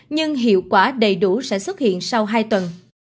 nhưng hiệu quả đầy đủ sẽ xuất hiện sau hai tuần